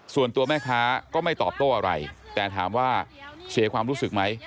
ส่วนตัวแม่ค้าก็ไม่ตอบโต้อะไรแต่ถามว่าเสียความรู้สึกไหม